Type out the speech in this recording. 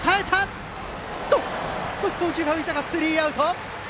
少し送球が浮いたがスリーアウト。